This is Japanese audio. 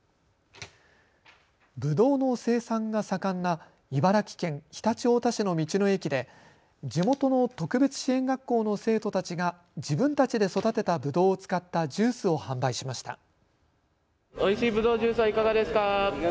ぶどうの生産が盛んな茨城県常陸太田市の道の駅で地元の特別支援学校の生徒たちが自分たちで育てたぶどうを使ったジュースを販売しました。